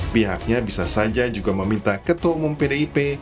pihaknya bisa saja juga meminta ketua umum pdip